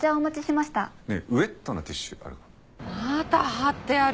また貼ってある！